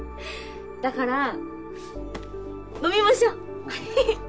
だから飲みましょう！へへっ。